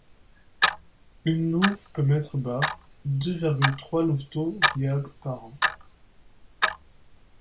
Une louve peut mettre bas deux virgule trois louveteaux viables par an.